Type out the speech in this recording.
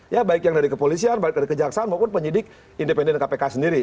ya baik yang dari kepolisian baik dari kejaksaan maupun penyidik independen kpk sendiri